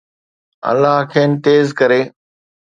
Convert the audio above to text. الله کين تيز ڪري